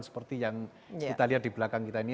seperti yang kita lihat di belakang kita ini